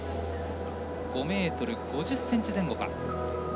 ５ｍ５０ｃｍ前後か。